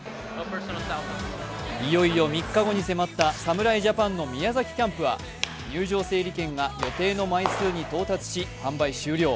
いよいよ３日後に迫った侍ジャパンの宮崎キャンプは入場整理券が予定の枚数に到達し販売終了。